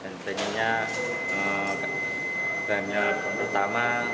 dan pengennya bagian yang pertama